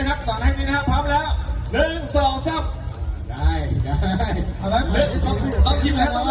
ก็บอกเรียบร้อยเท่าไรผมได้สินอีกแล้ว